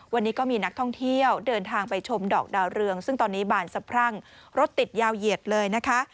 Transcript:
วันนี้ก็มีนักท่องเที่ยวเดินทางไปชมดอกดาวเรืองซึ่งตอนนี้บานสะพรั่งรถติดยาวเหยียดเลยนะคะ